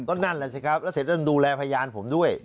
ก็นั่นแหละสิครับแล้วเสร็จท่านดูแลพยานผมด้วย